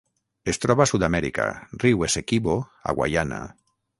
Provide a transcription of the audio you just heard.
Es troba a Sud-amèrica: riu Essequibo a Guaiana.